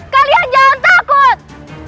kalian jangan takut